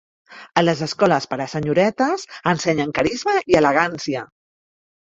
A les escoles per a senyoretes ensenyen carisma i elegància.